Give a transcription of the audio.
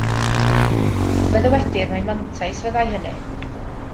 Fe ddywedir mai mantais fyddai hynny.